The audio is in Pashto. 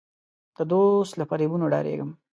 د دوست له فریبونو ډارېږم.